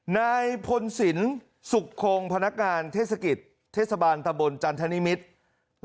ในพลสินศุกโครงพนักงานเทศกิจเทศบาลตำบลจันทนิมิตร